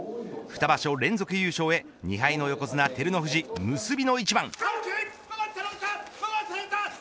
２場所連続優勝へ２敗の横綱、照ノ富士結びの一番。